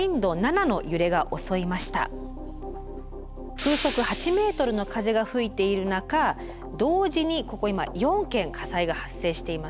風速８ｍの風が吹いている中同時にここ今４軒火災が発生していますね。